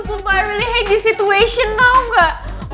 sumpah gue bener bener hate this situation tau gak